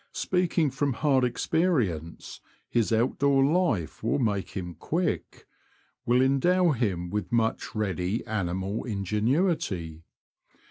Speaking from hard experience, his out door life will make him quick ; will endow him with much ready animal ingenuity.